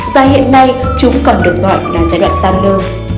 và hiện nay chúng còn được gọi là giai đoạn tam nơ